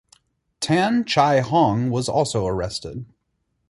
Tan Chai Hong was also arrested.